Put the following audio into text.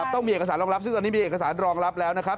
ต้องมีเอกสารรองรับซึ่งตอนนี้มีเอกสารรองรับแล้วนะครับ